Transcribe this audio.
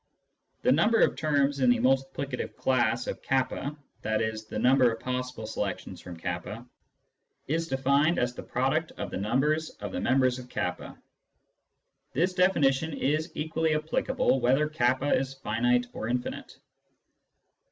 The number of terms in the multiplicative class of k, i.e. the number of possible selections from k, is defined as the product of the numbers of the members of k. This definition is equally applicable whether k is finite or infinite.